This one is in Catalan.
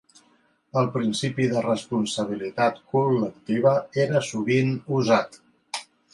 El principi de responsabilitat col·lectiva era sovint usat.